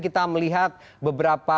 kita melihat beberapa hal